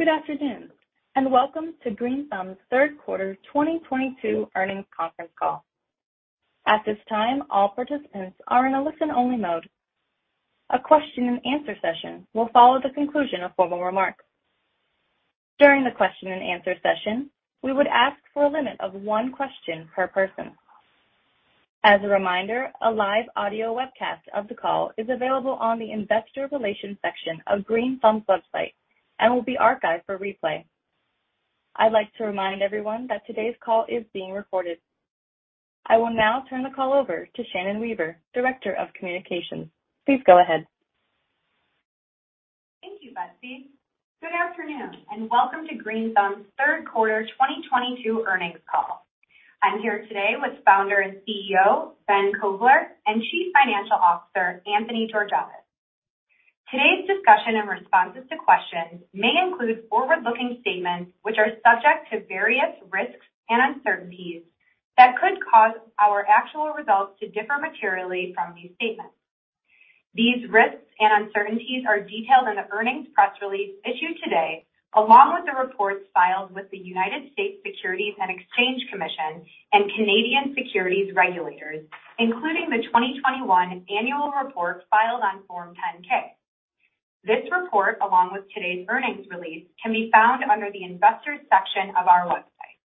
Good afternoon, and welcome to Green Thumb's third quarter 2022 earnings conference call. At this time, all participants are in a listen-only mode. A question-and-answer session will follow the conclusion of formal remarks. During the question-and-answer session, we would ask for a limit of one question per person. As a reminder, a live audio webcast of the call is available on the investor relations section of Green Thumb's website and will be archived for replay. I'd like to remind everyone that today's call is being recorded. I will now turn the call over to Shannon Weaver, Director of Communications. Please go ahead. Thank you, Betsy. Good afternoon, and welcome to Green Thumb's third quarter 2022 earnings call. I'm here today with Founder and CEO, Ben Kovler and Chief Financial Officer, Anthony Georgiadis. Today's discussion and responses to questions may include forward-looking statements which are subject to various risks and uncertainties that could cause our actual results to differ materially from these statements. These risks and uncertainties are detailed in the earnings press release issued today, along with the reports filed with the United States Securities and Exchange Commission and Canadian Securities Administrators, including the 2021 annual report filed on Form 10-K. This report, along with today's earnings release, can be found under the investors section of our website.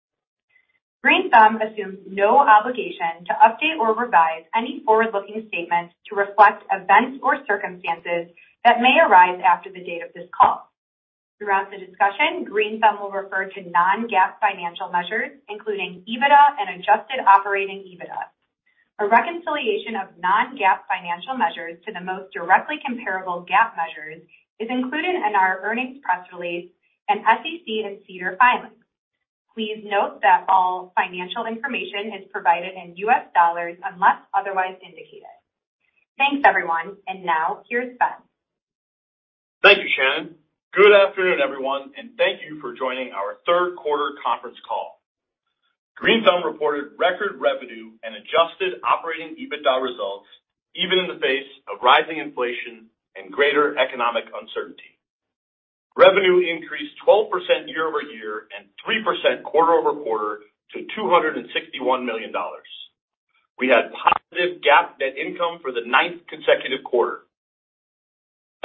Green Thumb assumes no obligation to update or revise any forward-looking statements to reflect events or circumstances that may arise after the date of this call. Throughout the discussion, Green Thumb will refer to non-GAAP financial measures, including EBITDA and adjusted operating EBITDA. A reconciliation of non-GAAP financial measures to the most directly comparable GAAP measures is included in our earnings press release and SEC and SEDAR filings. Please note that all financial information is provided in U.S. dollars unless otherwise indicated. Thanks, everyone. Now, here's Ben. Thank you, Shannon. Good afternoon, everyone, and thank you for joining our third quarter conference call. Green Thumb reported record revenue and adjusted operating EBITDA results, even in the face of rising inflation and greater economic uncertainty. Revenue increased 12% year-over-year and 3% quarter-over-quarter to $261 million. We had positive GAAP net income for the ninth consecutive quarter.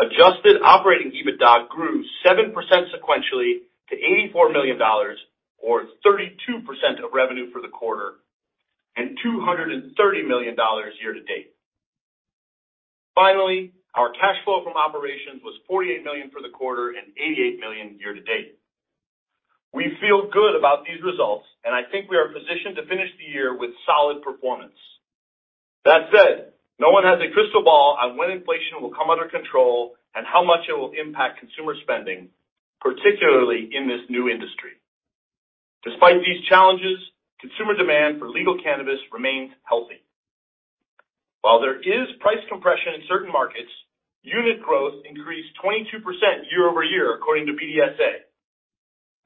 Adjusted operating EBITDA grew 7% sequentially to $84 million, or 32% of revenue for the quarter, and $230 million year-to-date. Finally, our cash flow from operations was $48 million for the quarter and $88 million year-to-date. We feel good about these results, and I think we are positioned to finish the year with solid performance. That said, no one has a crystal ball on when inflation will come under control and how much it will impact consumer spending, particularly in this new industry. Despite these challenges, consumer demand for legal cannabis remains healthy. While there is price compression in certain markets, unit growth increased 22% year-over-year, according to BDSA.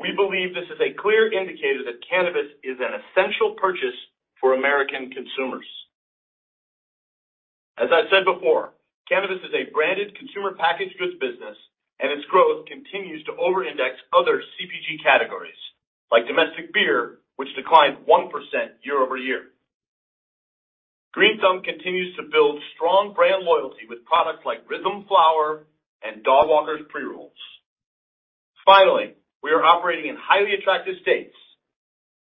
We believe this is a clear indicator that cannabis is an essential purchase for American consumers. As I said before, cannabis is a branded consumer packaged goods business, and its growth continues to over-index other CPG categories like domestic beer, which declined 1% year-over-year. Green Thumb continues to build strong brand loyalty with products like RYTHM Flower and Dogwalkers pre-rolls. Finally, we are operating in highly attractive states.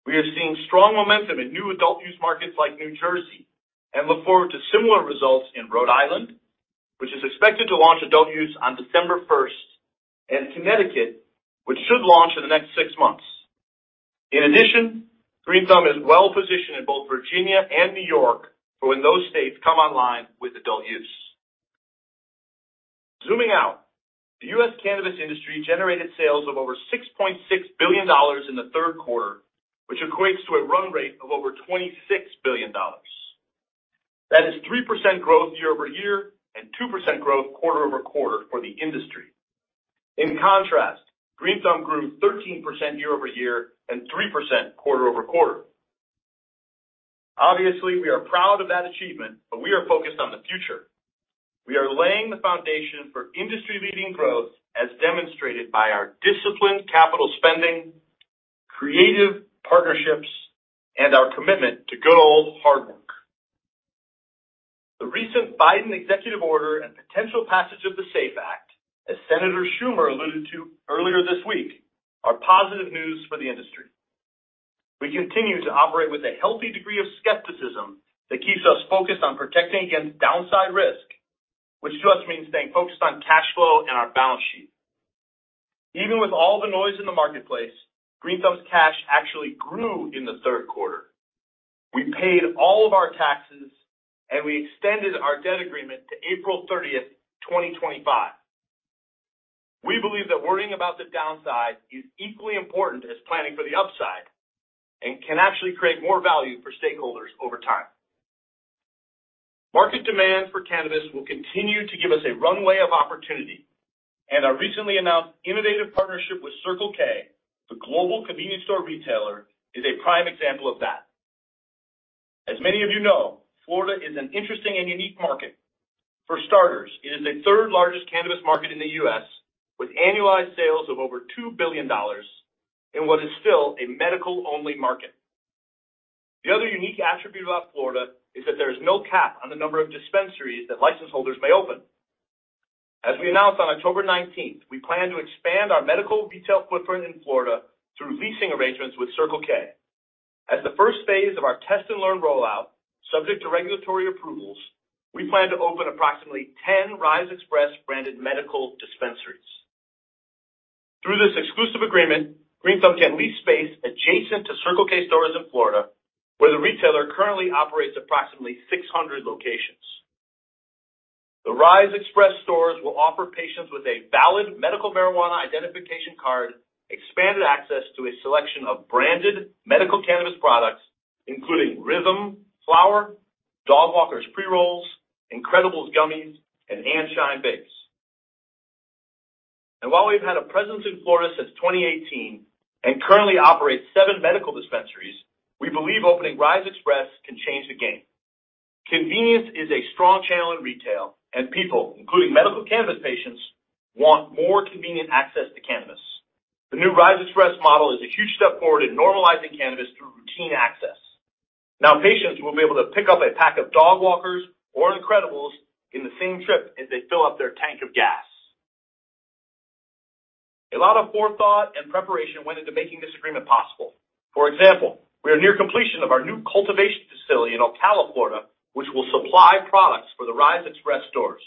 We are seeing strong momentum in new adult use markets like New Jersey, and look forward to similar results in Rhode Island, which is expected to launch adult use on December 1st, and Connecticut, which should launch in the next six months. In addition, Green Thumb is well-positioned in both Virginia and New York for when those states come online with adult use. Zooming out, the U.S. cannabis industry generated sales of over $6.6 billion in the third quarter, which equates to a run rate of over $26 billion. That is 3% growth year-over-year and 2% growth quarter-over-quarter for the industry. In contrast, Green Thumb grew 13% year-over-year and 3% quarter-over-quarter. Obviously, we are proud of that achievement, but we are focused on the future. We are laying the foundation for industry-leading growth as demonstrated by our disciplined capital spending, creative partnerships, and our commitment to good old hard work. The recent Biden executive order and potential passage of the SAFE Act, as Senator Schumer alluded to earlier this week, are positive news for the industry. We continue to operate with a healthy degree of skepticism that keeps us focused on protecting against downside risk, which to us means staying focused on cash flow and our balance sheet. Even with all the noise in the marketplace, Green Thumb's cash actually grew in the third quarter. We paid all of our taxes, and we extended our debt agreement to April 30th, 2025. We believe that worrying about the downside is equally important as planning for the upside and can actually create more value for stakeholders over time. Market demand for cannabis will continue to give us a runway of opportunity, and our recently announced innovative partnership with Circle K, the global convenience store retailer, is a prime example of that. As many of you know, Florida is an interesting and unique market. For starters, it is the third-largest cannabis market in the U.S., with annualized sales of over $2 billion in what a medical-only market is still. The other unique attribute about Florida is that there is no cap on the number of dispensaries that license holders may open. As we announced on October 19th, we plan to expand our medical retail footprint in Florida through leasing arrangements with Circle K. As the first phase of our test-and-learn rollout, subject to regulatory approvals, we plan to open approximately 10 RISE Express branded medical dispensaries. Through this exclusive agreement, Green Thumb can lease space adjacent to Circle K stores in Florida, where the retailer currently operates approximately 600 locations. The RISE Express stores will offer patients with a valid medical marijuana identification card expanded access to a selection of branded medical cannabis products, including RYTHM Flower, Dogwalkers pre-rolls, incredibles Gummies, and &Shine vapes. While we've had a presence in Florida since 2018 and currently operate seven medical dispensaries, we believe opening RISE Express can change the game. Convenience is a strong channel in retail, and people, including medical cannabis patients, want more convenient access to cannabis. The new RISE Express model is a huge step forward in normalizing cannabis through routine access. Now, patients will be able to pick up a pack of Dogwalkers or incredibles in the same trip as they fill up their tank of gas. A lot of forethought and preparation went into making this agreement possible. For example, we are near completion of our new cultivation facility in Ocala, Florida, which will supply products for the RISE Express stores.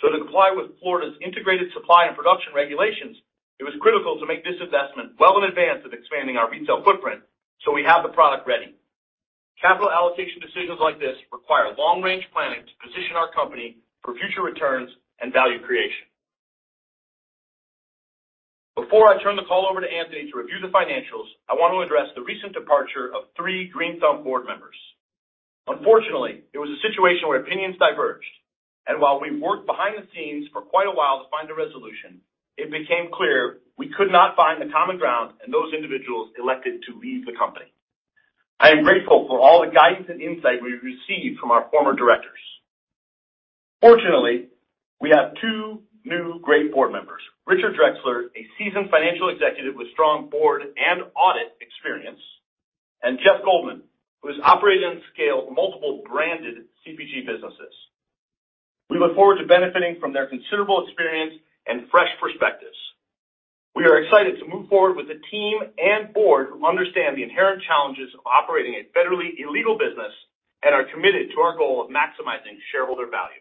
To comply with Florida's integrated supply and production regulations, it was critical to make this investment well in advance of expanding our retail footprint, so we have the product ready. Capital allocation decisions like this require long-range planning to position our company for future returns and value creation. Before I turn the call over to Anthony to review the financials, I want to address the recent departure of three Green Thumb board members. Unfortunately, it was a situation where opinions diverged, and while we worked behind the scenes for quite a while to find a resolution, it became clear we could not find the common ground and those individuals elected to leave the company. I am grateful for all the guidance and insight we've received from our former directors. Fortunately, we have two new great board members, Richard Drexler, a seasoned financial executive with strong board and audit experience, and Jeff Goldman, who has operated and scaled multiple branded CPG businesses. We look forward to benefiting from their considerable experience and fresh perspectives. We are excited to move forward with a team and board who understand the inherent challenges of operating a federally illegal business and are committed to our goal of maximizing shareholder value.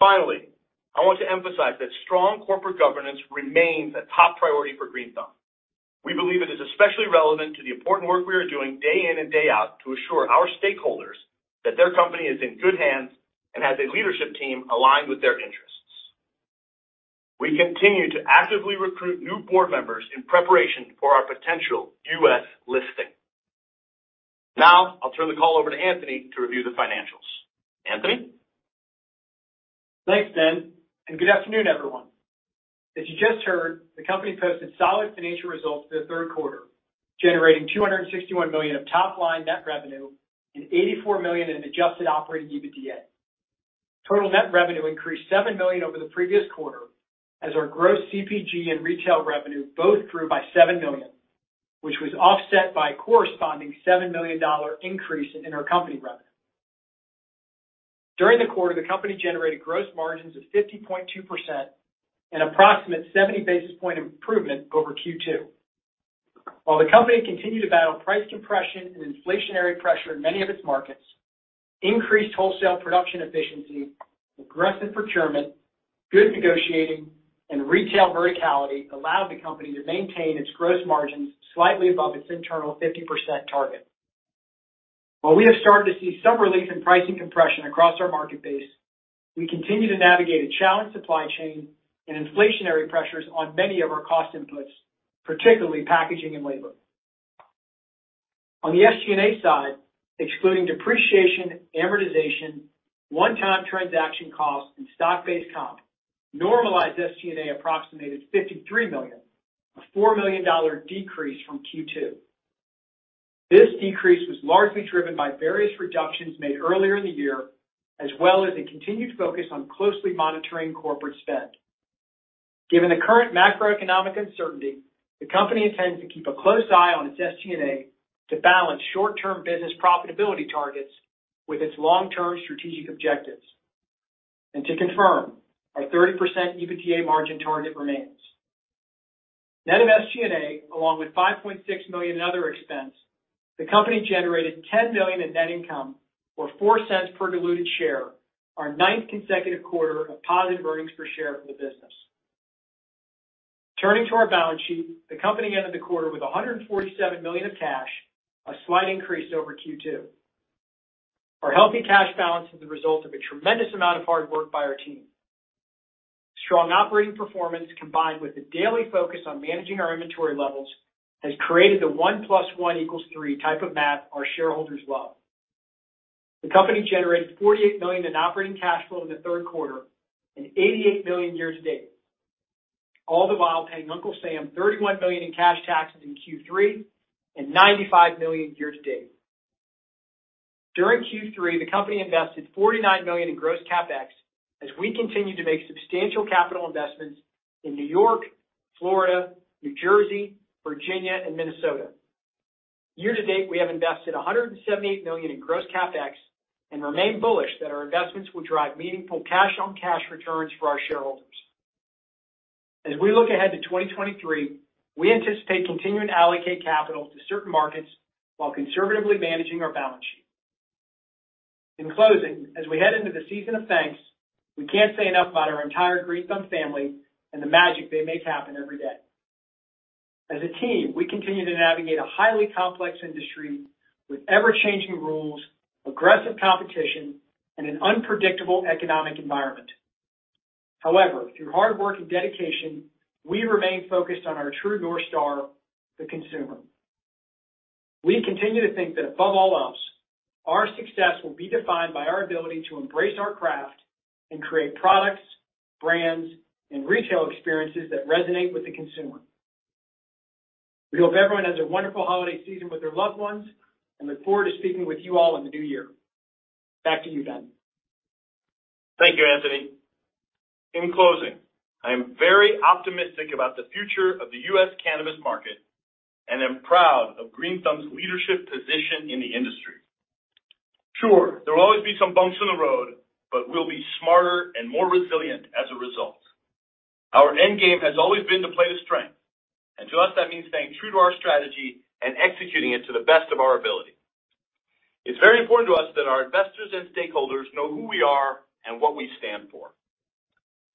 Finally, I want to emphasize that strong corporate governance remains a top priority for Green Thumb. We believe it is especially relevant to the important work we are doing day in and day out to assure our stakeholders that their company is in good hands and has a leadership team aligned with their interests. We continue to actively recruit new board members in preparation for our potential U.S. listing. Now, I'll turn the call over to Anthony to review the financials. Anthony. Thanks, Ben, and good afternoon, everyone. As you just heard, the company posted solid financial results for the third quarter, generating $261 million of top-line net revenue and $84 million in adjusted operating EBITDA. Total net revenue increased $7 million over the previous quarter as our gross CPG and retail revenue both grew by $7 million, which was offset by a corresponding $7 million increase in intercompany revenue. During the quarter, the company generated gross margins of 50.2% and approximate 70 basis point improvement over Q2. While the company continued to battle price compression and inflationary pressure in many of its markets, increased wholesale production efficiency, aggressive procurement, good negotiating, and retail verticality allowed the company to maintain its gross margins slightly above its internal 50% target. While we have started to see some relief in pricing compression across our market base, we continue to navigate a challenged supply chain and inflationary pressures on many of our cost inputs, particularly packaging and labor. On the SG&A side, excluding depreciation, amortization, one-time transaction costs, and stock-based comp, normalized SG&A approximated $53 million, a $4 million decrease from Q2. This decrease was largely driven by various reductions made earlier in the year, as well as a continued focus on closely monitoring corporate spend. Given the current macroeconomic uncertainty, the company intends to keep a close eye on its SG&A to balance short-term business profitability targets with its long-term strategic objectives. To confirm, our 30% EBITDA margin target remains. Net of SG&A, along with $5.6 million in other expense, the company generated $10 million in net income or $0.04 per diluted share, our ninth consecutive quarter of positive earnings per share for the business. Turning to our balance sheet, the company ended the quarter with $147 million of cash, a slight increase over Q2. Our healthy cash balance is the result of a tremendous amount of hard work by our team. Strong operating performance combined with a daily focus on managing our inventory levels has created the 1+1=3 type of math our shareholders love. The company generated $48 million in operating cash flow in the third quarter and $88 million year-to-date, all the while paying Uncle Sam $31 million in cash taxes in Q3 and $95 million year-to-date. During Q3, the company invested $49 million in gross CapEx as we continue to make substantial capital investments in New York, Florida, New Jersey, Virginia and Minnesota. Year-to-date, we have invested $178 million in gross CapEx and remain bullish that our investments will drive meaningful cash-on-cash returns for our shareholders. As we look ahead to 2023, we anticipate continuing to allocate capital to certain markets while conservatively managing our balance sheet. In closing, as we head into the season of thanks, we can't say enough about our entire Green Thumb family and the magic they make happen every day. As a team, we continue to navigate a highly complex industry with ever-changing rules, aggressive competition, and an unpredictable economic environment. However, through hard work and dedication, we remain focused on our true North Star, the consumer. We continue to think that above all else, our success will be defined by our ability to embrace our craft and create products, brands, and retail experiences that resonate with the consumer. We hope everyone has a wonderful holiday season with their loved ones and look forward to speaking with you all in the new year. Back to you, Ben. Thank you, Anthony. In closing, I am very optimistic about the future of the U.S. cannabis market, and I'm proud of Green Thumb's leadership position in the industry. Sure, there will always be some bumps in the road, but we'll be smarter and more resilient as a result. Our end game has always been to play to strength, and to us, that means staying true to our strategy and executing it to the best of our ability. It's very important to us that our investors and stakeholders know who we are and what we stand for.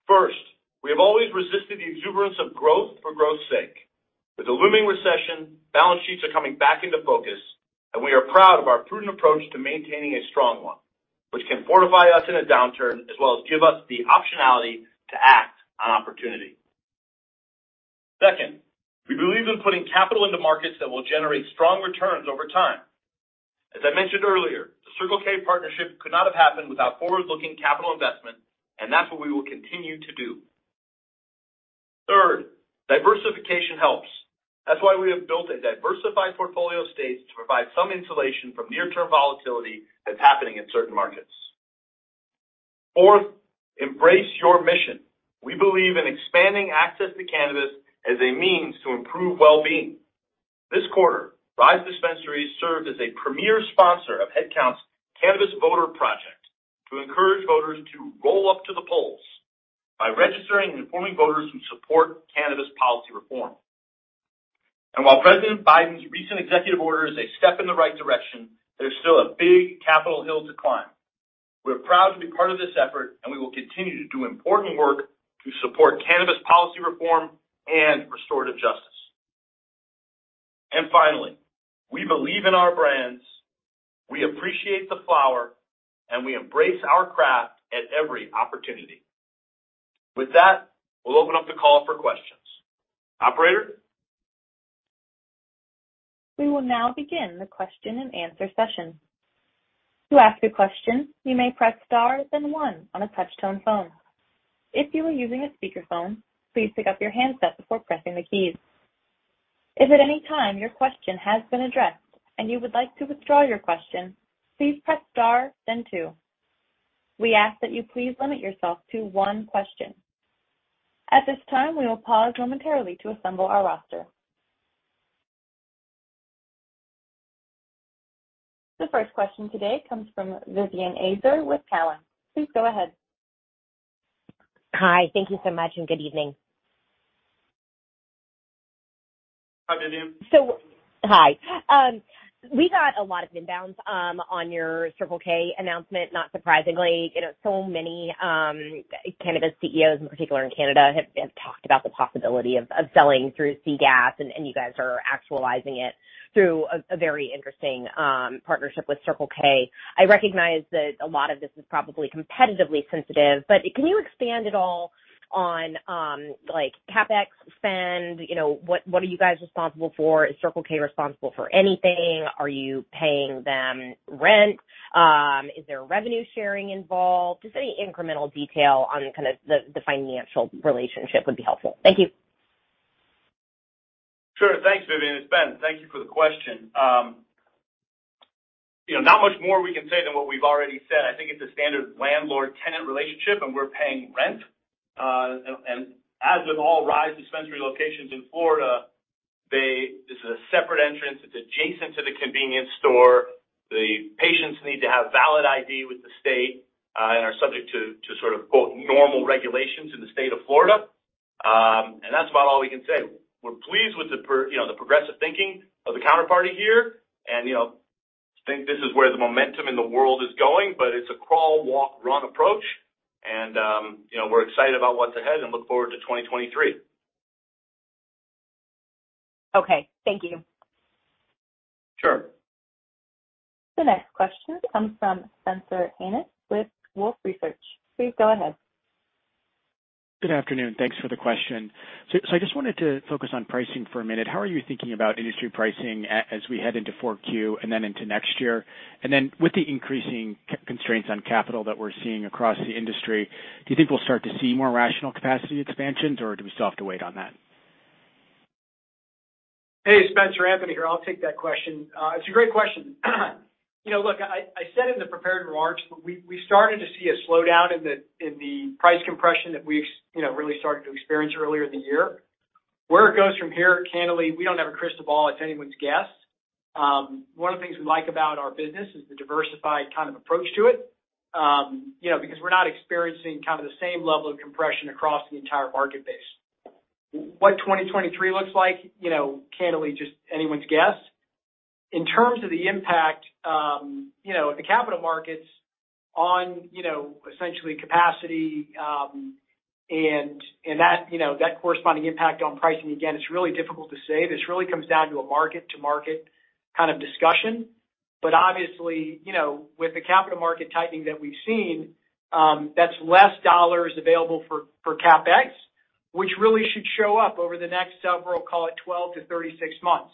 First, we have always resisted the exuberance of growth for growth sake. With a looming recession, balance sheets are coming back into focus, and we are proud of our prudent approach to maintaining a strong one, which can fortify us in a downturn as well as give us the optionality to act on opportunity. Second, we believe in putting capital into markets that will generate strong returns over time. As I mentioned earlier, the Circle K partnership could not have happened without forward-looking capital investment, and that's what we will continue to do. Third, diversification helps. That's why we have built a diversified portfolio of states to provide some insulation from near-term volatility that's happening in certain markets. Fourth, embrace your mission. We believe in expanding access to cannabis as a means to improve well-being. This quarter, RISE Dispensaries served as a premier sponsor of HeadCount's Cannabis Voter Project to encourage voters to roll up to the polls by registering and informing voters who support cannabis policy reform. While President Biden's recent executive order is a step in the right direction, there's still a big Capitol Hill to climb. We're proud to be part of this effort, and we will continue to do important work to support cannabis policy reform and restorative justice. Finally, we believe in our brands, we appreciate the flower, and we embrace our craft at every opportunity. With that, we'll open up the call for questions. Operator. We will now begin the question-and-answer session. To ask a question, you may press star then one on a touch-tone phone. If you are using a speakerphone, please pick up your handset before pressing the keys. If at any time your question has been addressed and you would like to withdraw your question, please press star then two. We ask that you please limit yourself to one question. At this time, we will pause momentarily to assemble our roster. The first question today comes from Vivien Azer with Cowen. Please go ahead. Hi. Thank you so much and good evening. Hi, Vivien. Hi. We got a lot of inbounds on your Circle K announcement, not surprisingly. You know, so many cannabis CEOs, in particular in Canada, have talked about the possibility of selling through C-stores, and you guys are actualizing it through a very interesting partnership with Circle K. I recognize that a lot of this is probably competitively sensitive, but can you expand at all on like CapEx spend? You know, what are you guys responsible for? Is Circle K responsible for anything? Are you paying them rent? Is there revenue sharing involved? Just any incremental detail on kind of the financial relationship would be helpful. Thank you. Sure. Thanks, Vivien. It's Ben. Thank you for the question. You know, not much more we can say than what we've already said. I think it's a standard landlord-tenant relationship and we're paying rent. As with all RISE dispensary locations in Florida, there's a separate entrance. It's adjacent to the convenience store. The patients need to have valid ID with the state, and are subject to sort of, quote, "normal regulations" in the state of Florida. That's about all we can say. We're pleased with you know, the progressive thinking of the counterparty here. You know, think this is where the momentum in the world is going. It's a crawl, walk, run approach. You know, we're excited about what's ahead and look forward to 2023. Okay. Thank you. Sure. The next question comes from Spencer Hanus with Wolfe Research. Please go ahead. Good afternoon. Thanks for the question. I just wanted to focus on pricing for a minute. How are you thinking about industry pricing as we head into 4Q and then into next year? And then with the increasing constraints on capital that we're seeing across the industry, do you think we'll start to see more rational capacity expansions or do we still have to wait on that? Hey, Spencer, Anthony Georgiadis here. I'll take that question. It's a great question. You know, look, I said in the prepared remarks, we started to see a slowdown in the price compression that we really started to experience earlier in the year. Where it goes from here, candidly, we don't have a crystal ball. It's anyone's guess. One of the things we like about our business is the diversified kind of approach to it. You know, because we're not experiencing kind of the same level of compression across the entire market base. What 2023 looks like, you know, candidly just anyone's guess. In terms of the impact, you know, the capital markets on, you know, essentially capacity, and that corresponding impact on pricing, again, it's really difficult to say. This really comes down to a mark-to-market kind of discussion. Obviously, you know, with the capital market tightening that we've seen, that's less dollars available for CapEx, which really should show up over the next several, call it 12-36 months.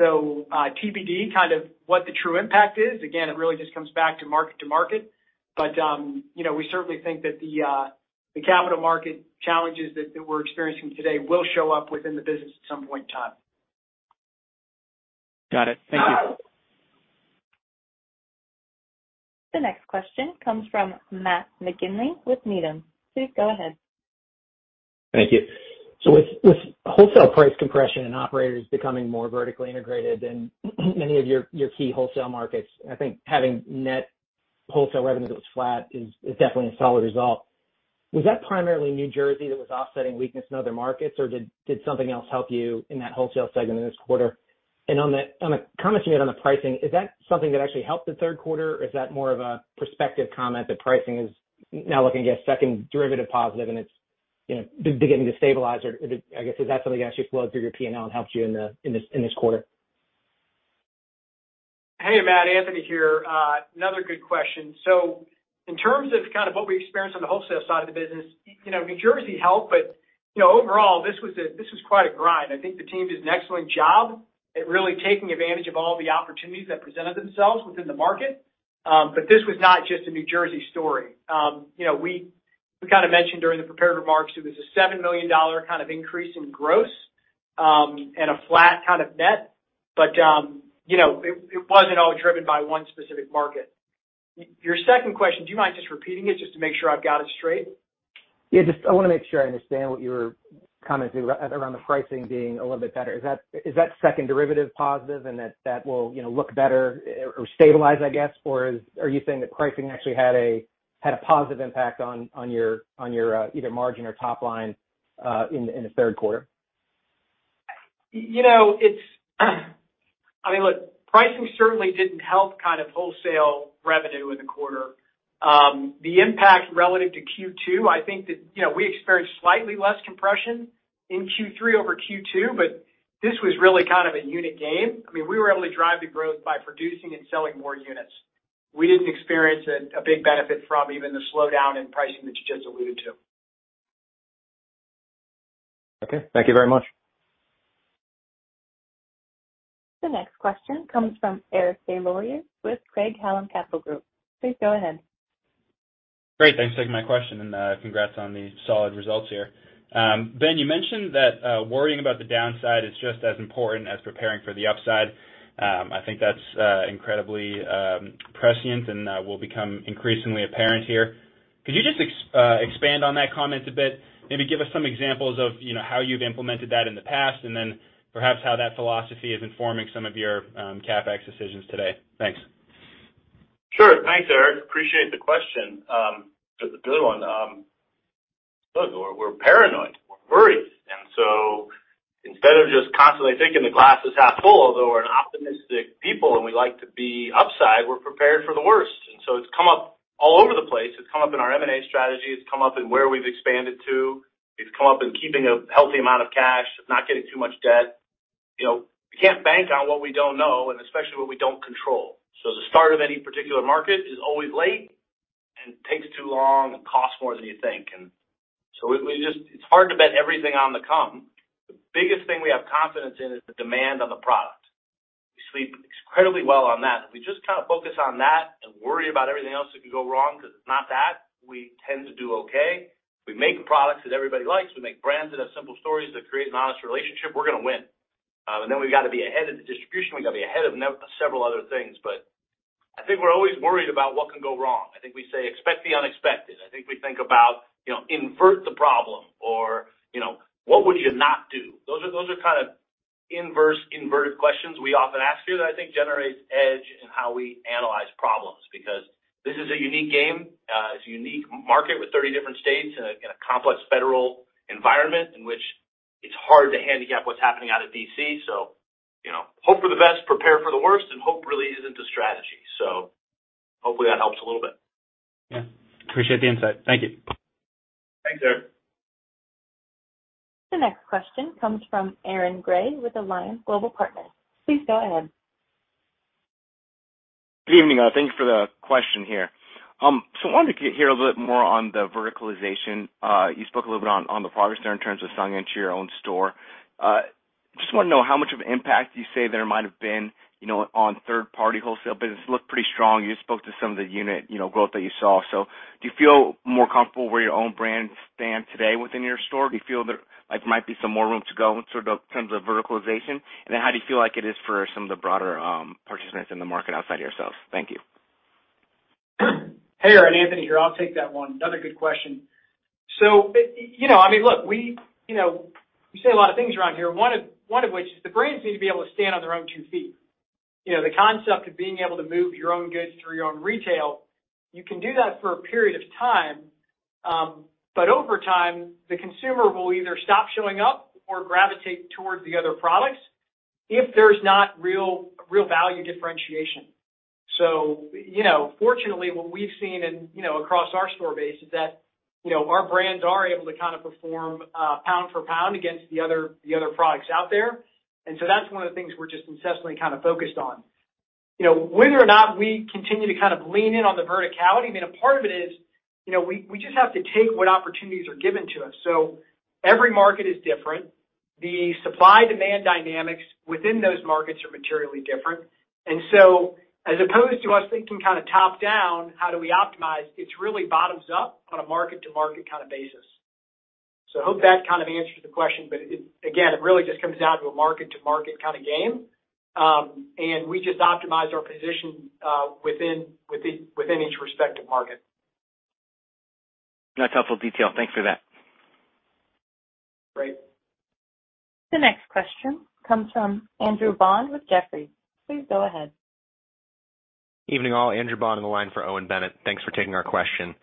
TBD kind of what the true impact is. Again, it really just comes back to mark-to-market. We certainly think that the capital market challenges that we're experiencing today will show up within the business at some point in time. Got it. Thank you. The next question comes from Matt McGinley with Needham. Please go ahead. Thank you. With wholesale price compression and operators becoming more vertically integrated in many of your key wholesale markets, I think having net wholesale revenue that was flat is definitely a solid result. Was that primarily New Jersey that was offsetting weakness in other markets, or did something else help you in that wholesale segment in this quarter? On the comment you made on the pricing, is that something that actually helped the third quarter, or is that more of a prospective comment that pricing is now looking to get second derivative positive and it's, you know, beginning to stabilize? I guess, is that something that actually flows through your P&L and helps you in this quarter? Hey, Matt. Anthony here. Another good question. In terms of kind of what we experienced on the wholesale side of the business, you know, New Jersey helped, but you know, overall, this was quite a grind. I think the team did an excellent job at really taking advantage of all the opportunities that presented themselves within the market. This was not just a New Jersey story. You know, we kind of mentioned during the prepared remarks it was a $7 million kind of increase in gross, and a flat kind of net. It wasn't all driven by one specific market. Your second question, do you mind just repeating it just to make sure I've got it straight? Yeah, just I wanna make sure I understand what you were commenting around the pricing being a little bit better. Is that second derivative positive and that will, you know, look better or stabilize, I guess? Or are you saying that pricing actually had a positive impact on your either margin or top line in the third quarter? You know, it's I mean, look, pricing certainly didn't help kind of wholesale revenue in the quarter. The impact relative to Q2, I think that, you know, we experienced slightly less compression in Q3 over Q2, but this was really kind of a unit game. I mean, we were able to drive the growth by producing and selling more units. We didn't experience a big benefit from even the slowdown in pricing that you just alluded to. Okay. Thank you very much. The next question comes from Eric DesLauriers with Craig-Hallum Capital Group. Please go ahead. Great. Thanks for taking my question, and congrats on the solid results here. Ben, you mentioned that worrying about the downside is just as important as preparing for the upside. I think that's incredibly prescient and will become increasingly apparent here. Could you just expand on that comment a bit? Maybe give us some examples of, you know, how you've implemented that in the past, and then perhaps how that philosophy is informing some of your CapEx decisions today. Thanks. Sure. Thanks, Eric. Appreciate the question. It's a good one. Look, we're paranoid, we're worried, and so instead of just constantly thinking the glass is half full, although we're an optimistic people and we like to be upside, we're prepared for the worst. It's come up all over the place. It's come up in our M&A strategy, it's come up in where we've expanded to, it's come up in keeping a healthy amount of cash, it's not getting too much debt. You know, we can't bank on what we don't know and especially what we don't control. The start of any particular market is always late and takes too long and costs more than you think. We just. It's hard to bet everything on the come. The biggest thing we have confidence in is the demand on the product. We sleep incredibly well on that. If we just kind of focus on that and worry about everything else that can go wrong because it's not that, we tend to do okay. We make products that everybody likes. We make brands that have simple stories that create an honest relationship. We're gonna win. And then we've got to be ahead of the distribution. We've got to be ahead of and several other things. I think we're always worried about what can go wrong. I think we say expect the unexpected. I think we think about, you know, invert the problem or, you know, what would you not do? Those are kind of inverse inverted questions we often ask here that I think generates edge in how we analyze problems, because this is a unique game. It's a unique market with 30 different states in a complex federal environment in which it's hard to handicap what's happening out of DC. You know, hope for the best, prepare for the worst, and hope really isn't a strategy. Hopefully that helps a little bit. Yeah. Appreciate the insight. Thank you. Thanks, Eric. The next question comes from Aaron Gray with Alliance Global Partners. Please go ahead. Evening. Thanks for the question here. So, I wanted to hear a little bit more on the verticalization. You spoke a little bit on the progress there in terms of selling into your own store. Just want to know how much of an impact you say there might have been, you know, on third-party wholesale business. Looked pretty strong. You just spoke to some of the unit, you know, growth that you saw. Do you feel more comfortable where your own brand stand today within your store? Do you feel there, like, might be some more room to go in sort of terms of verticalization? And then how do you feel like it is for some of the broader participants in the market outside of yourself? Thank you. Hey, Aaron, Anthony here. I'll take that one. Another good question. You know, I mean, look, we say a lot of things around here. One of which is the brands need to be able to stand on their own two feet. You know, the concept of being able to move your own goods through your own retail, you can do that for a period of time, but over time, the consumer will either stop showing up or gravitate towards the other products if there's not real value differentiation. You know, fortunately, what we've seen across our store base is that our brands are able to kind of perform pound for pound against the other products out there. That's one of the things we're just incessantly kind of focused on. You know whether or not we continue to kind of lean in on the verticality, I mean, a part of it is, you know, we just have to take what opportunities are given to us. Every market is different. The supply-demand dynamics within those markets are materially different. As opposed to us thinking kind of top-down, how do we optimize, it's really bottoms up on a market-to-market kind of basis. I hope that kind of answers the question, but again, it really just comes down to a market-to-market kind of game, and we just optimize our position within each respective market. That's helpful detail. Thanks for that. Great. The next question comes from Andrew Bond with Jefferies. Please go ahead. Evening all. Andrew Bond on the line for Owen Bennett. Thanks for taking our question.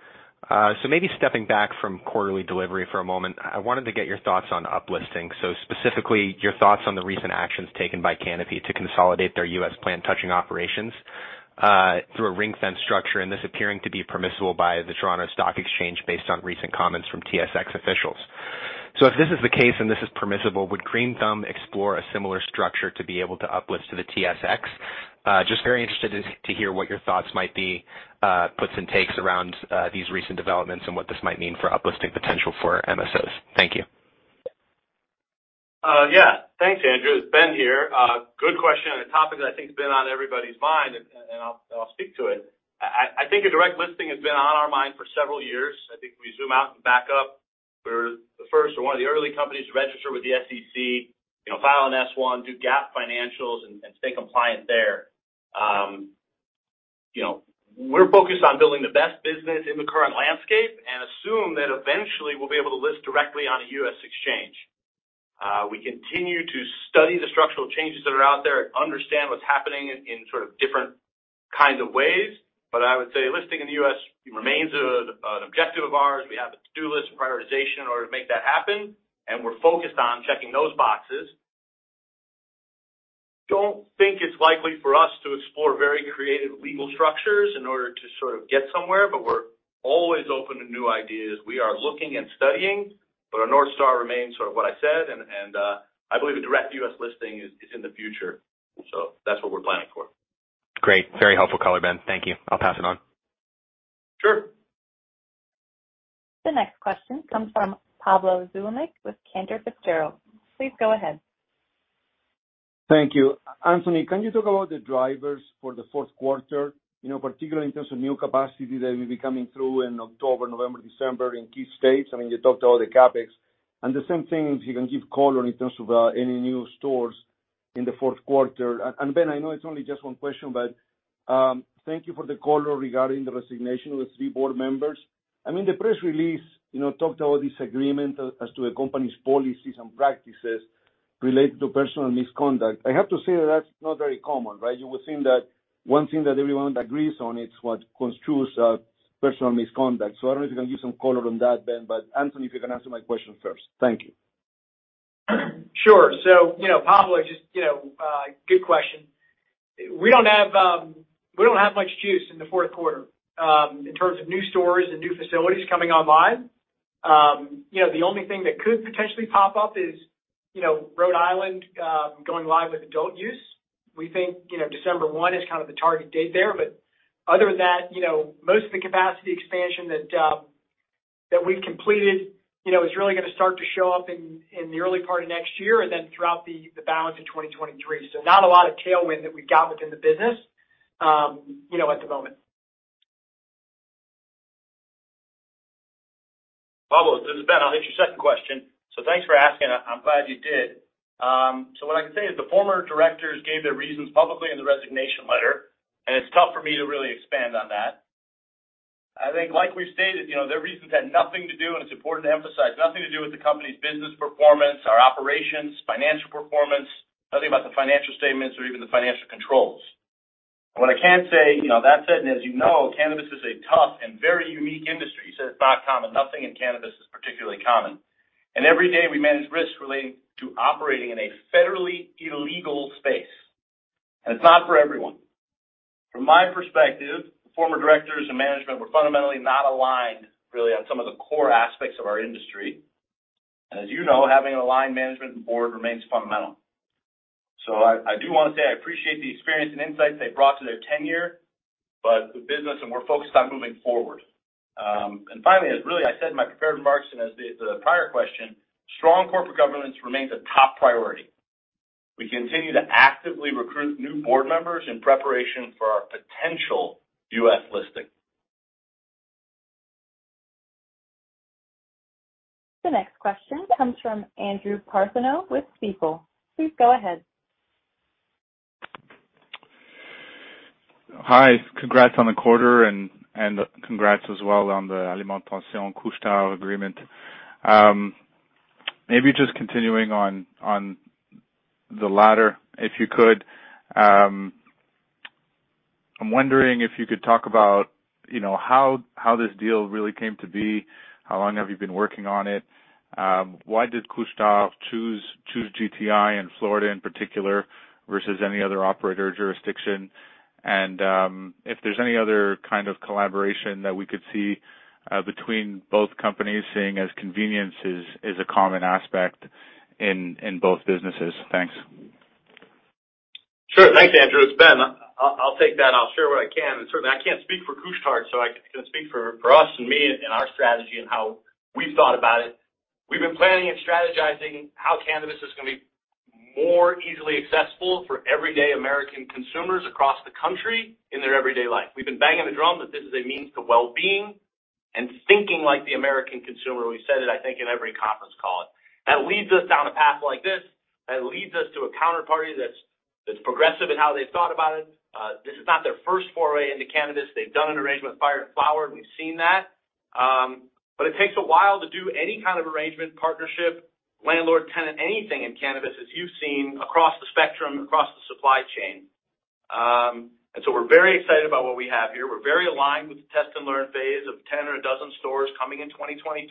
Maybe stepping back from quarterly delivery for a moment, I wanted to get your thoughts on uplisting, so specifically your thoughts on the recent actions taken by Canopy to consolidate their U.S. plant-touching operations, through a ring-fence structure, and this appearing to be permissible by the Toronto Stock Exchange based on recent comments from TSX officials. If this is the case and this is permissible, would Green Thumb explore a similar structure to be able to uplist to the TSX? Just very interested to hear what your thoughts might be, puts and takes around, these recent developments and what this might mean for uplisting potential for MSOs. Thank you. Yeah. Thanks, Andrew. It's Ben here. Good question on a topic that I think has been on everybody's mind, and I'll speak to it. I think a direct listing has been on our mind for several years. I think if we zoom out and back up, we're the first or one of the early companies to register with the SEC, you know, file an S-1, do GAAP financials and stay compliant there. You know, we're focused on building the best business in the current landscape and assume that eventually we'll be able to list directly on a U.S. exchange. We continue to study the structural changes that are out there and understand what's happening in sort of different kind of ways. I would say listing in the U.S. remains an objective of ours. We have a to-do list and prioritization in order to make that happen, and we're focused on checking those boxes. Don't think it's likely for us to explore very creative legal structures in order to sort of get somewhere, but we're always open to new ideas. We are looking and studying, but our North Star remains sort of what I said. I believe a direct U.S. listing is in the future. That's what we're planning for. Great. Very helpful color, Ben. Thank you. I'll pass it on. Sure. The next question comes from Pablo Zuanic with Cantor Fitzgerald. Please go ahead. Thank you. Anthony, can you talk about the drivers for the fourth quarter, you know, particularly in terms of new capacity that will be coming through in October, November, December in key states? I mean, you talked about the CapEx. The same thing, if you can give color in terms of any new stores in the fourth quarter. And Ben, I know it's only just one question but thank you for the color regarding the resignation of the three board members. I mean, the press release, you know, talked about disagreement as to the company's policies and practices related to personal misconduct. I have to say that that's not very common, right? You would think that one thing that everyone agrees on, it's what constitutes personal misconduct. I don't know if you can give some color on that, Ben, but Anthony, if you can answer my question first. Thank you. Sure. You know, Pablo, just, you know, good question. We don't have much juice in the fourth quarter, in terms of new stores and new facilities coming online. You know, the only thing that could potentially pop up is, you know, Rhode Island going live with adult use. We think, you know, December 1 is kind of the target date there. But other than that, you know, most of the capacity expansion that we've completed, you know, is really gonna start to show up in the early part of next year and then throughout the balance of 2023. Not a lot of tailwind that we've got within the business, you know, at the moment. Pablo, this is Ben. I'll hit your second question. Thanks for asking. I'm glad you did. What I can say is the former directors gave their reasons publicly in the resignation letter, and it's tough for me to really expand on that. I think, like we've stated, you know, their reasons had nothing to do, and it's important to emphasize, nothing to do with the company's business performance, our operations, financial performance, nothing about the financial statements or even the financial controls. What I can say, you know, that said, and as you know, cannabis is a tough and very unique industry. It's not common, nothing in cannabis is particularly common. Every day we manage risks relating to operating in a federally illegal space, and it's not for everyone. From my perspective, the former directors and management were fundamentally not aligned really on some of the core aspects of our industry. As you know, having aligned management and board remains fundamental. I do want to say I appreciate the experience and insights they brought to their tenure, but the business, and we're focused on moving forward. Finally, as I really said in my prepared remarks and as the prior question, strong corporate governance remains a top priority. We continue to actively recruit new board members in preparation for our potential U.S. listing. The next question comes from Andrew Partheniou with Stifel. Please go ahead. Hi. Congrats on the quarter and congrats as well on the Alimentation Couche-Tard agreement. Maybe just continuing on the latter, if you could. I'm wondering if you could talk about, you know, how this deal really came to be. How long have you been working on it? Why did Couche-Tard choose GTI in Florida in particular versus any other operator jurisdiction? If there's any other kind of collaboration that we could see between both companies seeing as convenience is a common aspect in both businesses? Thanks. Sure. Thanks, Andrew. It's Ben. I'll take that. I'll share what I can, and certainly I can't speak for Couche-Tard, so I can speak for us and me and our strategy and how we've thought about it. We've been planning and strategizing how cannabis is gonna be more easily accessible for everyday American consumers across the country in their everyday life. We've been banging the drum that this is a means to well-being and thinking like the American consumer. We said it, I think, in every conference call. That leads us down a path like this. That leads us to a counterparty that's progressive in how they've thought about it. This is not their first foray into cannabis. They've done an arrangement with Fire & Flower, and we've seen that. It takes a while to do any kind of arrangement, partnership, landlord, tenant, anything in cannabis, as you've seen across the spectrum, across the supply chain. We're very excited about what we have here. We're very aligned with the test and learn phase of 10 or a dozen stores coming in 2023.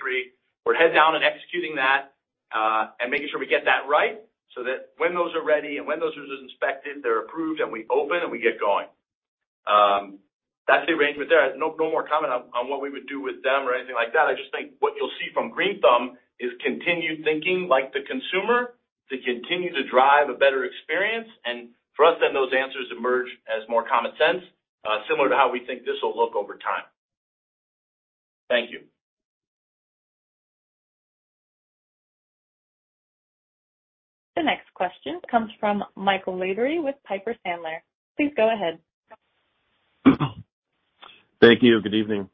We're head down and executing that and making sure we get that right so that when those are ready and when those are just inspected, they're approved, and we open, and we get going. That's the arrangement there. No more comment on what we would do with them or anything like that. I just think what you'll see from Green Thumb is continued thinking like the consumer to continue to drive a better experience. For us, then those answers emerge as more common sense, similar to how we think this will look over time. Thank you. The next question comes from Michael Lavery with Piper Sandler. Please go ahead. Thank you. Good evening.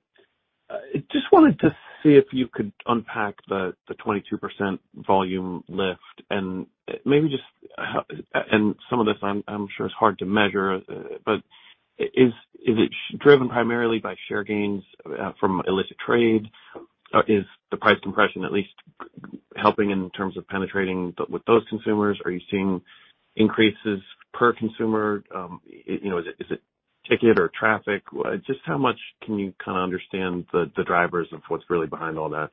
Just wanted to see if you could unpack the 22% volume lift and maybe just how and some of this, I'm sure is hard to measure, but is it driven primarily by share gains from illicit trade? Is the price compression at least helping in terms of penetrating with those consumers? Are you seeing increases per consumer? You know, is it ticket or traffic? Just how much can you kinda understand the drivers of what's really behind all that?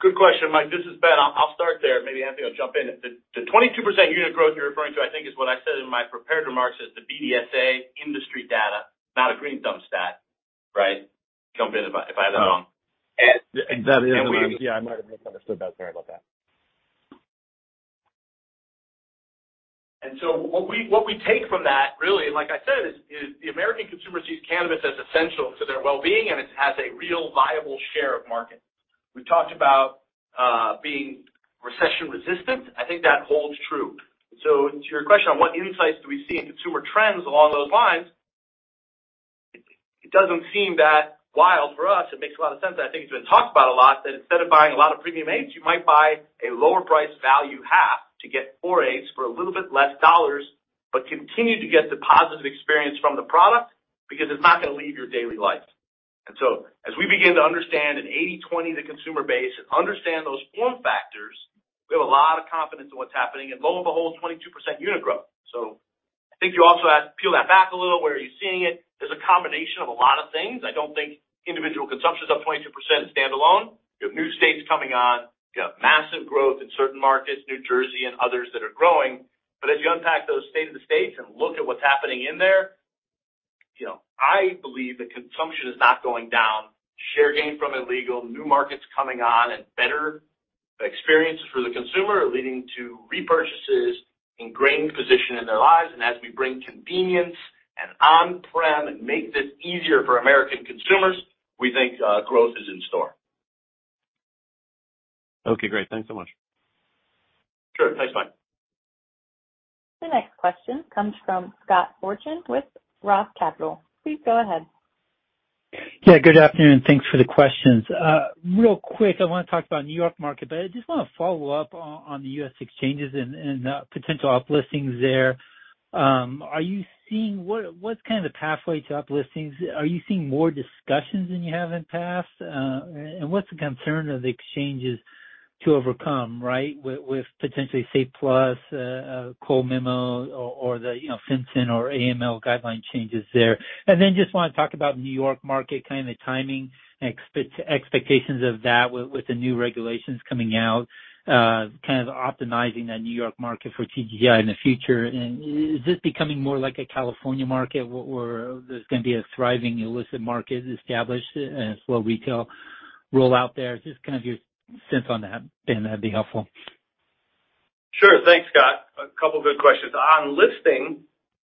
Good question, Mike. This is Ben. I'll start there. Maybe Anthony will jump in. The 22% unit growth you're referring to, I think, is what I said in my prepared remarks is the BDSA industry data, not a Green Thumb stat. Right? Jump in if I have that wrong. Yeah, I might have misunderstood that. Sorry about that. What we take from that really, like I said, is the American consumer sees cannabis as essential to their well-being, and it has a real viable share of market. We've talked about being recession resistant. I think that holds true. To your question on what insights do we see in consumer trends along those lines, it doesn't seem that wild for us. It makes a lot of sense. I think it's been talked about a lot that instead of buying a lot of premium eighths, you might buy a lower price value half to get four eighths for a little bit less dollars, but continue to get the positive experience from the product because it's not gonna leave your daily life. As we begin to understand in 80/20 the consumer base and understand those form factors, we have a lot of confidence in what's happening. Lo and behold, 22% unit growth. I think you also have to peel that back a little. Where are you seeing it? There's a combination of a lot of things. I don't think individual consumption is up 22% standalone. You have new states coming on. You have massive growth in certain markets, New Jersey and others that are growing. As you unpack those state of the states and look at what's happening in there, you know, I believe the consumption is not going down. Share gain from illegal, new markets coming on, and better experiences for the consumer are leading to repurchases, ingrained position in their lives. As we bring convenience and on-prem and make this easier for American consumers, we think, growth is in store. Okay, great. Thanks so much. Sure. Thanks, Mike. The next question comes from Scott Fortune with Roth Capital. Please go ahead. Yeah, good afternoon. Thanks for the questions. Real quick, I want to talk about New York market, but I just want to follow up on the U.S. exchanges and potential uplistings there. Are you seeing what's kind of the pathway to uplistings? Are you seeing more discussions than you have in the past? And what's the concern of the exchanges to overcome, right, with potentially state plus, Cole Memo or the, you know, FinCEN or AML guideline changes there? Then just want to talk about New York market, kind of the timing expectations of that with the new regulations coming out, kind of optimizing that New York market for GTI in the future. Is this becoming more like a California market where there's going to be a thriving illicit market established as well, retail roll out there? Just kind of your sense on that, Ben, that'd be helpful. Sure. Thanks, Scott. A couple of good questions. On listing,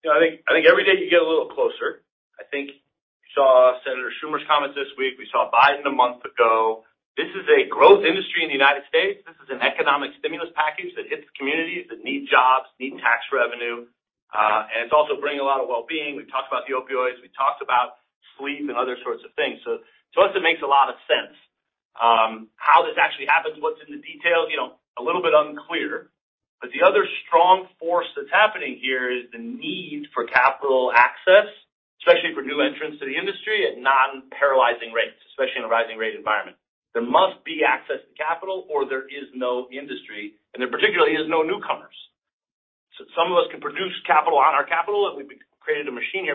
you know, I think every day you get a little closer. I think you saw Senator Schumer's comments this week. We saw Biden a month ago. This is a growth industry in the United States. This is an economic stimulus package that hits communities that need jobs, need tax revenue, and it's also bringing a lot of well-being. We've talked about the opioids, we talked about sleep and other sorts of things. So to us, it makes a lot of sense. How this actually happens, what's in the details, you know, a little bit unclear. But the other strong force that's happening here is the need for capital access, especially for new entrants to the industry at non-paralyzing rates, especially in a rising rate environment. There must be access to capital, or there is no industry, and there particularly is no newcomers. Some of us can produce capital on our capital, and we've created a machine here.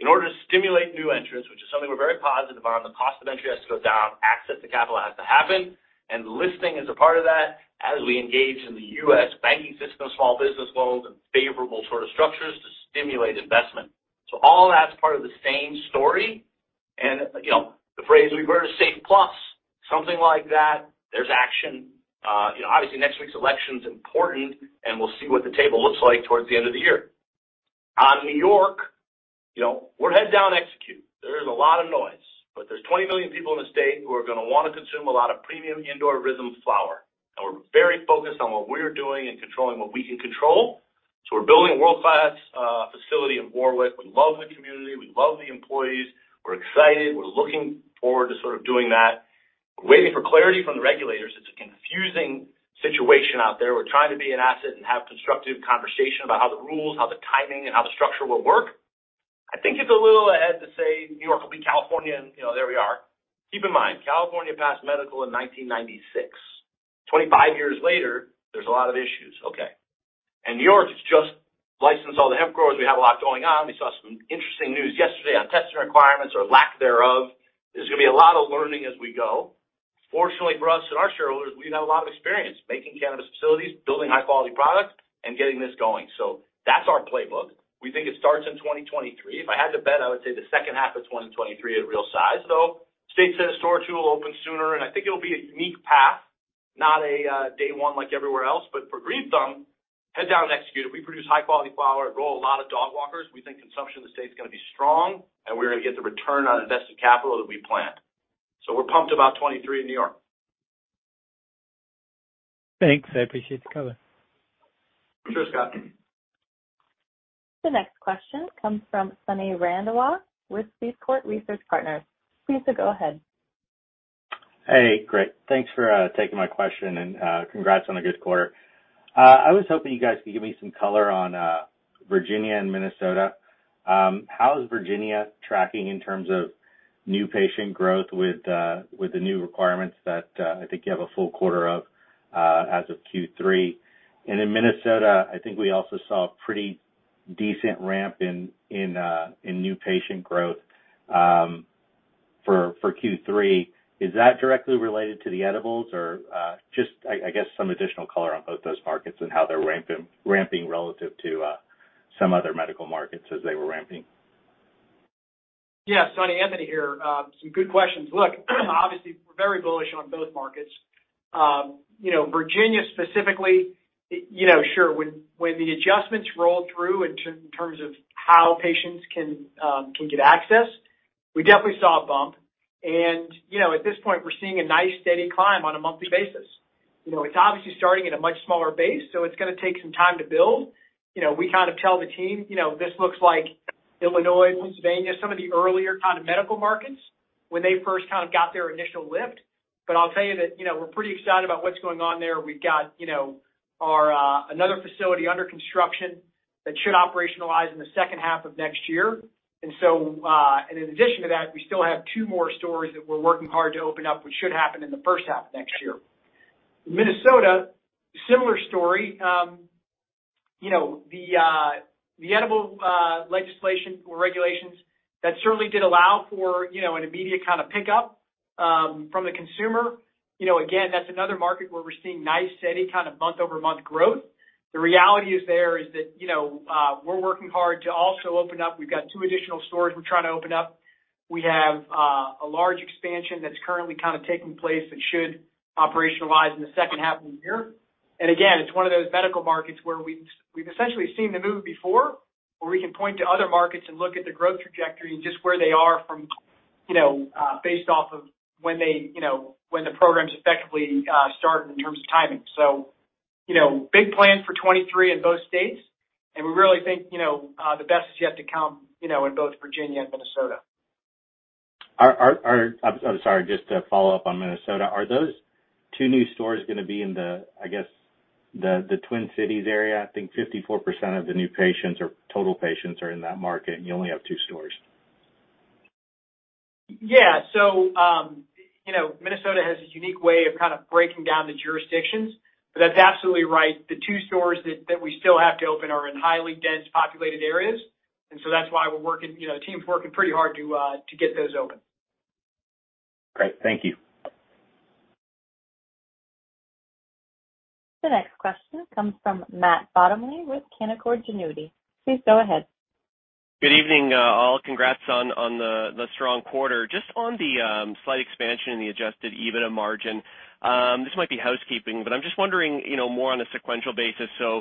In order to stimulate new entrants, which is something we're very positive on, the cost of entry has to go down, access to capital has to happen. Listing is a part of that as we engage in the U.S. banking system, small business loans, and favorable sort of structures to stimulate investment. All that's part of the same story. You know, the phrase we've heard is SAFE Plus, something like that. There's action. You know, obviously next week's election is important, and we'll see what the table looks like towards the end of the year. On New York, you know, we're head down execute. There is a lot of noise, but there's 20 million people in the state who are gonna wanna consume a lot of premium indoor RYTHM Flower. We're very focused on what we're doing and controlling what we can control. We're building a world-class facility in Warwick. We love the community. We love the employees. We're excited. We're looking forward to sort of doing that. We're waiting for clarity from the regulators. It's a confusing situation out there. We're trying to be an asset and have constructive conversation about how the rules, how the timing, and how the structure will work. I think it's a little ahead to say New York will be California, and, you know, there we are. Keep in mind, California passed medical in 1996. 25 years later, there's a lot of issues, okay. New York has just licensed all the hemp growers. We have a lot going on. We saw some interesting news yesterday on testing requirements or lack thereof. There's gonna be a lot of learning as we go. Fortunately for us and our shareholders, we've had a lot of experience making cannabis facilities, building high-quality products, and getting this going. That's our playbook. We think it starts in 2023. If I had to bet, I would say the second half of 2023 at real size, though. State's first store or two will open sooner, and I think it'll be a unique path, not a day one like everywhere else. For Green Thumb, head down execute. We produce high-quality flower, grow a lot of Dogwalkers. We think consumption in the state is gonna be strong, and we're gonna get the return on invested capital that we planned. We're pumped about 2023 in New York. Thanks. I appreciate the color. Sure, Scott. The next question comes from Sonny Randhawa with Seaport Research Partners. Please go ahead. Hey, great. Thanks for taking my question, and congrats on a good quarter. I was hoping you guys could give me some color on Virginia and Minnesota. How is Virginia tracking in terms of new patient growth with the new requirements that I think you have a full quarter of as of Q3? In Minnesota, I think we also saw a pretty decent ramp in new patient growth for Q3. Is that directly related to the edibles? Or just I guess some additional color on both those markets and how they're ramping relative to some other medical markets as they were ramping. Yeah. Sonny, Anthony here. Some good questions. Look, obviously, we're very bullish on both markets. You know, Virginia specifically, sure, when the adjustments rolled through in terms of how patients can get access, we definitely saw a bump. You know, at this point, we're seeing a nice steady climb on a monthly basis. You know, it's obviously starting at a much smaller base, so it's gonna take some time to build. You know, we kind of tell the team, you know, this looks like Illinois, Pennsylvania, some of the earlier kind of medical markets when they first kind of got their initial lift. I'll tell you that, you know, we're pretty excited about what's going on there. We've got, you know, our another facility under construction that should operationalize in the second half of next year. In addition to that, we still have two more stores that we're working hard to open up, which should happen in the first half of next year. Minnesota, similar story. You know, the edible legislation or regulations that certainly did allow for, you know, an immediate kind of pickup from the consumer. You know, again, that's another market where we're seeing nice, steady kind of month-over-month growth. The reality is that, you know, we're working hard to also open up. We've got two additional stores we're trying to open up. We have a large expansion that's currently kind of taking place that should operationalize in the second half of the year. Again, it's one of those medical markets where we've essentially seen the move before, where we can point to other markets and look at the growth trajectory and just where they are from, you know, based off of when they, you know, when the programs effectively start in terms of timing. You know, big plans for 2023 in both states. We really think, you know, the best is yet to come, you know, in both Virginia and Minnesota. I'm sorry, just to follow up on Minnesota. Are those two new stores gonna be in the, I guess, the Twin Cities area? I think 54% of the new patients or total patients are in that market, and you only have two stores. You know, Minnesota has a unique way of kind of breaking down the jurisdictions, but that's absolutely right. The two stores that we still have to open are in highly dense populated areas, and that's why we're working, you know, the team's working pretty hard to get those open. Great. Thank you. The next question comes from Matt Bottomley with Canaccord Genuity. Please go ahead. Good evening, all. Congrats on the strong quarter. Just on the slight expansion in the adjusted EBITDA margin. This might be housekeeping, but I'm just wondering, you know, more on a sequential basis. You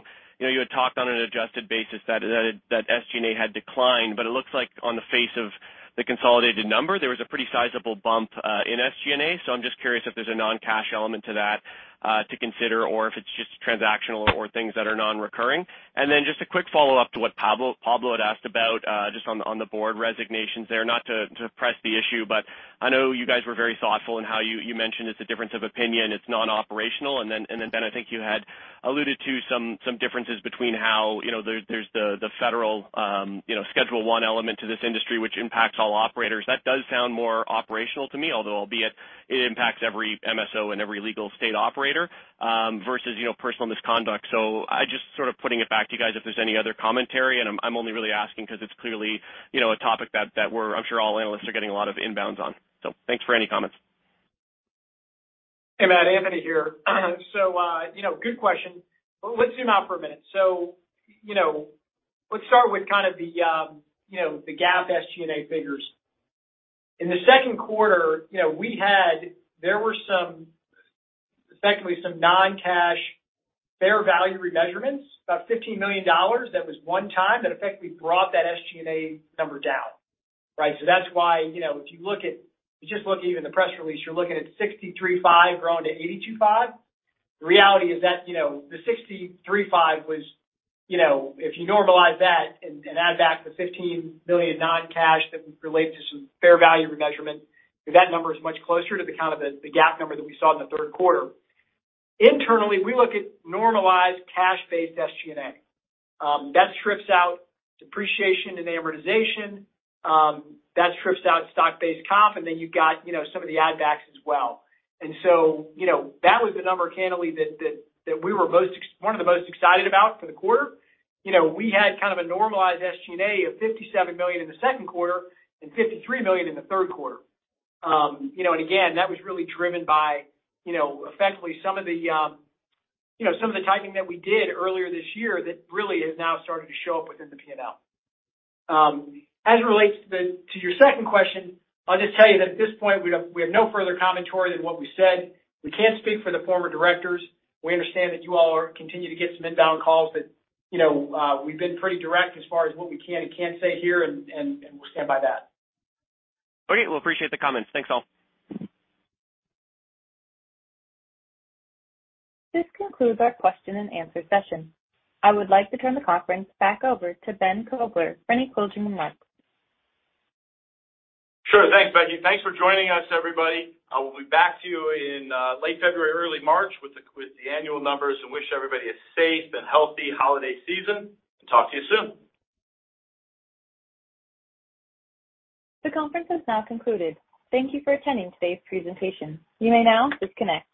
know, you had talked on an adjusted basis that SG&A had declined, but it looks like on the face of the consolidated number, there was a pretty sizable bump in SG&A. I'm just curious if there's a non-cash element to that to consider or if it's just transactional or things that are non-recurring. Then just a quick follow-up to what Pablo had asked about, just on the board resignations there. Not to press the issue, but I know you guys were very thoughtful in how you mentioned it's a difference of opinion, it's non-operational. Ben, I think you had alluded to some differences between how, you know, there's the federal, you know, schedule I element to this industry, which impacts all operators. That does sound more operational to me, although albeit it impacts every MSO and every legal state operator, versus, you know, personal misconduct. I just sort of putting it back to you guys if there's any other commentary. I'm only really asking because it's clearly, you know, a topic that we're. I'm sure all analysts are getting a lot of inbounds on. Thanks for any comments. Hey, Matt, Anthony here. You know, good question. Let's zoom out for a minute. You know, let's start with kind of the you know the GAAP, SG&A figures. In the second quarter, you know, there were some effectively non-cash fair value remeasurements, about $15 million. That was one-time that effectively brought that SG&A number down, right? That's why, you know, if you just look even at the press release, you're looking at $63.5 million growing to $82.5 million. The reality is that, you know, the $63.5 million was, you know, if you normalize that and add back the $15 million non-cash that relates to some fair value remeasurement, that number is much closer to the kind of the GAAP number that we saw in the third quarter. Internally, we look at normalized cash-based SG&A that strips out depreciation and amortization that strips out stock-based comp, and then you've got, you know, some of the add backs as well. You know, that was the number candidly that we were one of the most excited about for the quarter. You know, we had kind of a normalized SG&A of $57 million in the second quarter and $53 million in the third quarter. You know, again, that was really driven by you know effectively some of the you know some of the tightening that we did earlier this year that really has now started to show up within the P&L. As it relates to your second question, I'll just tell you that at this point, we have no further commentary than what we said. We can't speak for the former directors. We understand that you all continue to get some inbound calls, but, you know, we've been pretty direct as far as what we can and can't say here, and we stand by that. Okay. Well, appreciate the comments. Thanks, all. This concludes our question-and-answer session. I would like to turn the conference back over to Ben Kovler for any closing remarks. Sure. Thanks, Betsy. Thanks for joining us, everybody. I will be back to you in late February, early March with the annual numbers, and wish everybody a safe and healthy holiday season. Talk to you soon. The conference has now concluded. Thank you for attending today's presentation. You may now disconnect.